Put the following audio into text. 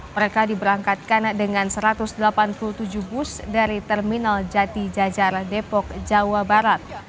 mereka diberangkatkan dengan satu ratus delapan puluh tujuh bus dari terminal jati jajar depok jawa barat